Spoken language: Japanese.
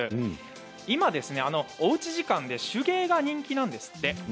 今、おうち時間で手芸が人気なんですって。